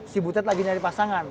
si butet lagi nyari pasangan